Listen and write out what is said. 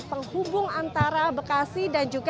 penghubung antara bekasi dan juga